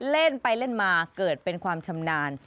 เล่นไปเล่นมาเกิดเป็นความชำนาญ